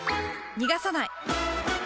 逃がさない！